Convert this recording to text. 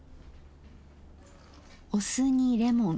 お酢にレモン。